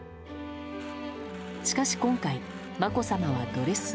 しかし今回、まこさまはドレス姿。